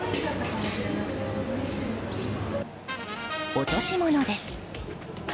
落とし物です。